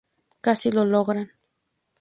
Casi lo logran.